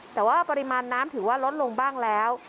แต่ว่าปริมาณน้ำถือว่าลดลงบ้างแล้ว